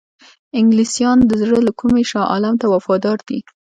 انګلیسیان د زړه له کومي شاه عالم ته وفادار دي.